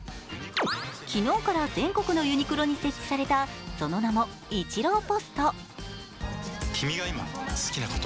昨日から全国のユニクロに設置された、その名もイチローＰＯＳＴ。